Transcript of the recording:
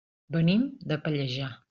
Venim de Pallejà.